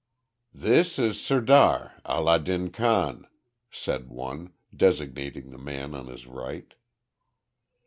"This is the Sirdar, Allah din Khan," said one, designating the man on his right.